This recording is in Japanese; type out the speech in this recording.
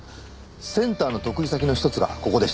センターの得意先のひとつがここでした。